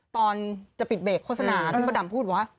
ตอนจะปิดเบรกโฆษณาพี่มดดำพูดบอกว่า